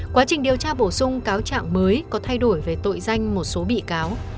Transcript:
quá trình điều tra bổ sung cáo trạng mới có thay đổi về tội danh một số bị cáo